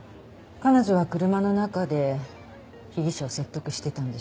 彼女は車の中で被疑者を説得してたんでしょ。